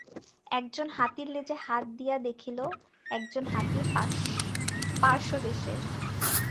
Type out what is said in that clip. একজন হাতীর লেজে হাত দিয়া দেখিল, একজন হাতীর পার্শ্বদেশে।